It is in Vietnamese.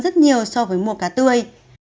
rất nhiều so với mua cá tươi